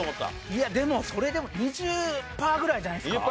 いやでもそれでも２０パーぐらいじゃないですか？